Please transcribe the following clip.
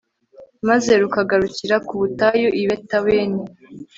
maze rukagarukira ku butayu i betaweni